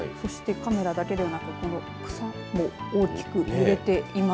そしてカメラだけでなくこの草も大きく揺れています。